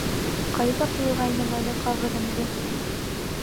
Ҡайҙа ҡуйғайным әле ҡағыҙымды?